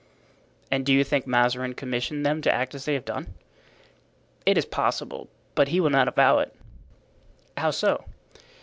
"And do you think Mazarin commissioned them to act as they have done?" "It is possible. But he will not avow it." "How so?"